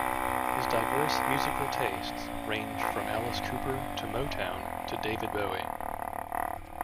His diverse musical tastes range from Alice Cooper to Motown to David Bowie.